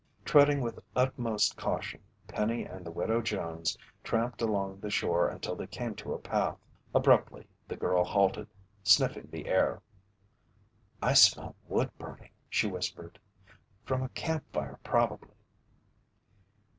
Treading with utmost caution, Penny and the Widow Jones tramped along the shore until they came to a path. Abruptly, the girl halted, sniffing the air. "I smell wood burning," she whispered. "From a campfire probably."